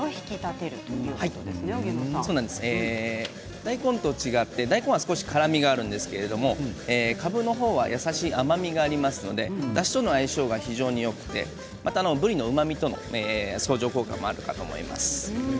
大根と違って大根は少し辛みがあるんですけどかぶの方は優しい甘みがありますのでだしとの相性が非常によくてぶりのうまみとの相乗効果もあるかと思います。